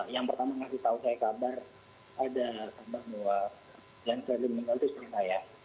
yang pertama ngasih tahu saya kabar ada teman dua glenn fredly meninggal itu sering saya